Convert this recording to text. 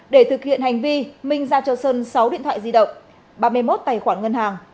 để thực hiện hành vi minh ra cho sơn sáu điện thoại di động ba mươi một tài khoản ngân hàng